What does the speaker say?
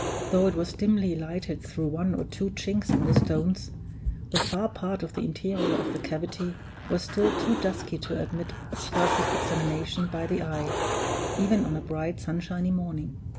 Though it was dimly lighted through one or two chinks in the stones, the far part of the interior of the cavity was still too dusky to admit of perfect examination by the eye, even on a bright sunshiny morning.